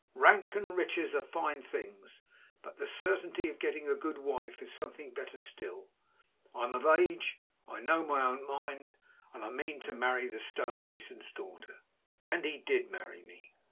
Rank and riches are fine things, but the certainty of getting a good wife is something better still. I'm of age, I know my own mind, and I mean to marry the stone mason's daughter." And he did marry me.